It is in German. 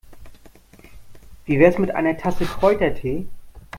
Wie wär's mit einer Tasse Kräutertee?